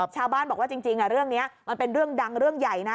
ชาวบ้านบอกว่าจริงเรื่องนี้มันเป็นเรื่องดังเรื่องใหญ่นะ